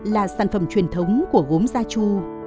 là sản phẩm truyền thống của gốm da chu